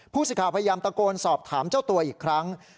สิทธิ์พยายามตะโกนสอบถามเจ้าตัวอีกครั้ง